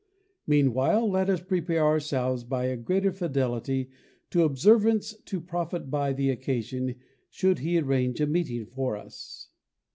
Meanwhile, let us prepare ourselves by a greater fidelity to observance to profit by the occasion should He arrange a meeting for us.